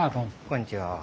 こんにちは。